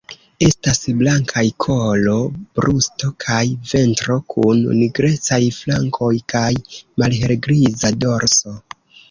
Estas blankaj kolo, brusto kaj ventro kun nigrecaj flankoj kaj malhelgriza dorso.